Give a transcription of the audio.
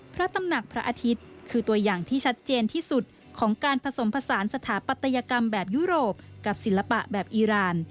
พระตำหนักพระอาทิตย์คือตัวอย่างที่ชัดเจนที่สุดของการผสมผสานสถาปัตยกรรมแบบยุโรปกับศิลปะแบบอีราน